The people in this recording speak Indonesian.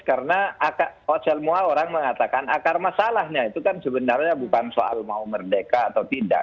karena orang mengatakan akar masalahnya itu kan sebenarnya bukan soal mau merdeka atau tidak